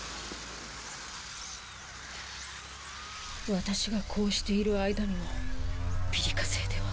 ワタシがこうしている間にもピリカ星では。